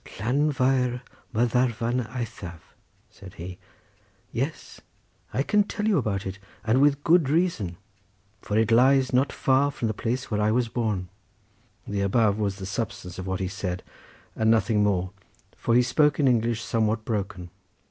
"Llanfair Mathafarn eithaf!" said he. "Yes, I can tell you about it, and with good reason for it lies not far from the place where I was born." The above was the substance of what he said, and nothing more, for he spoke in English somewhat broken.